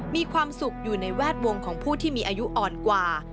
มีความสุขอยู่ในแวดวงของผู้ที่มีอายุอ่อนกว่า